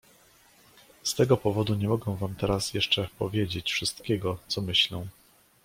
"Z tego powodu nie mogę wam teraz jeszcze powiedzieć wszystkiego, co myślę."